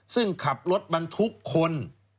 ซึ่งขับรถบรรทุกคน